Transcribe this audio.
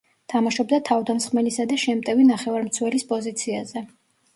თამაშობდა თავდამსხმელისა და შემტევი ნახევარმცველის პოზიციაზე.